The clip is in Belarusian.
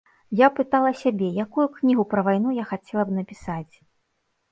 Я пытала сябе, якую кнігу пра вайну я хацела б напісаць.